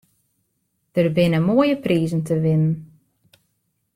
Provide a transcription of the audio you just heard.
Der binne moaie prizen te winnen.